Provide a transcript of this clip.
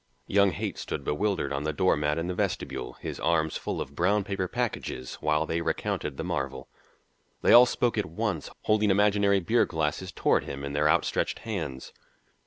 Young Haight stood bewildered on the door mat in the vestibule, his arms full of brown paper packages, while they recounted the marvel. They all spoke at once, holding imaginary beer glasses toward him in their outstretched hands.